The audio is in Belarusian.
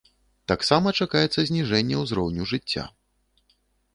Таксама чакаецца зніжэнне ўзроўню жыцця.